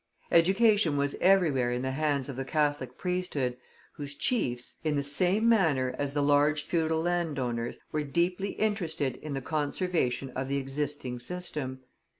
Education was everywhere in the hands of the Catholic priesthood, whose chiefs, in the same manner as the large feudal landowners, were deeply interested in the conservation of the existing system.